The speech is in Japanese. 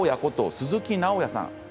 鈴木直也さん。